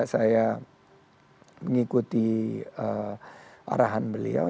saya mengikuti arahan beliau